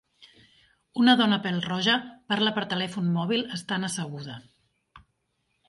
Una dona pel-roja parla per telèfon mòbil estan asseguda.